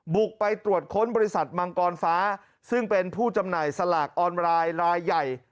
บุกไปตรวจค้นบริษัทมังกรฟ้าซึ่งเป็นผู้จำหน่ายสลากออนไลน์รายใหญ่